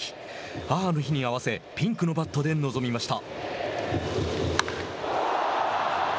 母の日に合わせピンクのバットで臨みました。